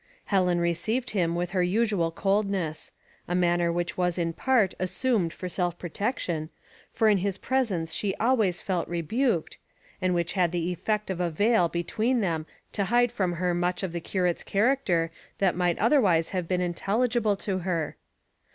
Helen received him with her usual coldness a manner which was in part assumed for self protection, for in his presence she always felt rebuked, and which had the effect of a veil between them to hide from her much of the curate's character that might otherwise have been intelligible to her.